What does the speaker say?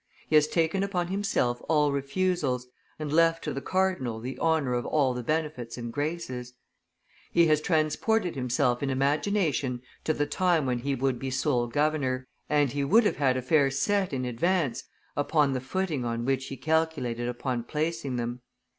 He has taken upon himself all refusals, and left to the cardinal the honor of all benefits and graces; he has, transported himself in imagination to the time when he would be sole governor, and he would have had affairs set, in advance, upon the footing on which he calculated upon placing them.